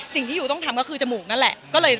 สิ่งที่อยู่ต้องทำก็คือจมูกนั่นแหละ